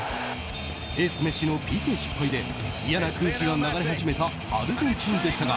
エース、メッシのＰＫ失敗で嫌な空気が流れ始めたアルゼンチンでしたが。